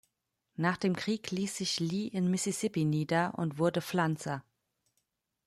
Nach dem Krieg ließ sich Lee in Mississippi nieder und wurde Pflanzer.